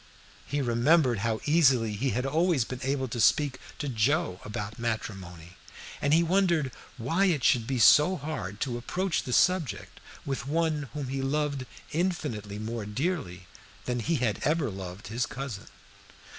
He remembered how easily he had always been able to speak to Joe about matrimony, and he wondered why it should be so hard to approach the subject with one whom he loved infinitely more dearly than he had ever loved his cousin.